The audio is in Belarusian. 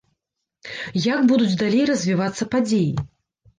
Як будуць далей развівацца падзеі?